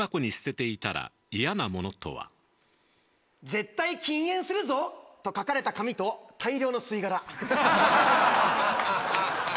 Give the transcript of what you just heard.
「絶対禁煙するぞ！！」と書かれた紙と大量の吸い殻。